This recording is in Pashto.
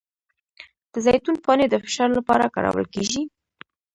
د زیتون پاڼې د فشار لپاره کارول کیږي؟